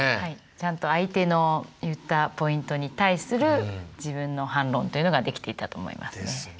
ちゃんと相手の言ったポイントに対する自分の反論というのができていたと思いますね。ですね。